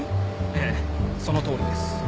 ええそのとおりです。